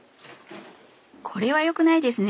これはよくないですね。